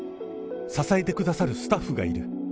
支えてくださるスタッフがいる。